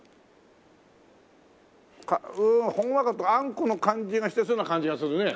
うーんほんわかとあんこの感じがしてそうな感じがするね。